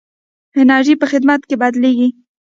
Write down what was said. انرژي په خدمت کې بدلېږي.